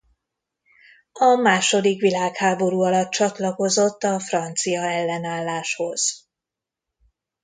A második világháború alatt csatlakozott a francia ellenálláshoz.